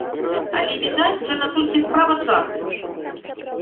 Але, відаць, гэта толькі справа часу.